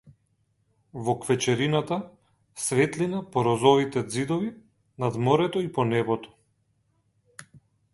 Во квечерината, светлина по розовите ѕидови над морето и по небото.